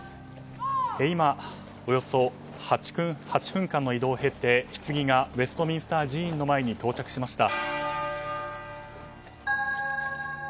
今、およそ８分間の移動を経てひつぎがウェストミンスター寺院の前に到着しました。